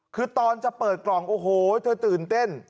คือตอนจะเปิดกล่องโอ้โหเธอตื่นเต้น